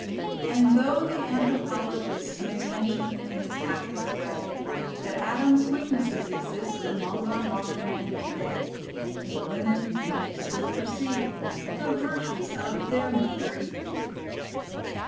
And though the anthropologist May mention, in his tactless way, That Adam's weaknesses exist Among our modern Men to day, In Women we may still perceive The virtues of their Mother Eve!